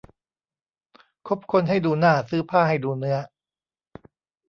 คบคนให้ดูหน้าซื้อผ้าให้ดูเนื้อ